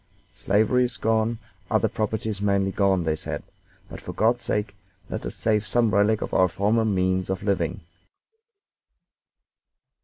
"Slavery is gone, other property is mainly gone," they said, "but, for God's sake, let us save some relic of our former means of living."